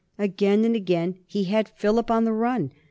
Again and again he had Philip on the run.